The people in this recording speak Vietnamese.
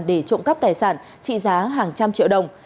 để trộm cắp tài sản trị giá hàng trăm triệu đồng